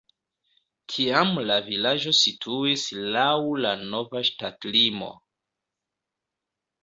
Tiam la vilaĝo situis laŭ la nova ŝtatlimo.